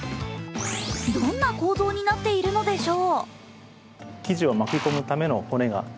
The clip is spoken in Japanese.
どんな構造になっているのでしょう？